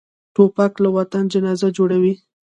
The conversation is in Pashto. توپک له وطن جنازه جوړوي.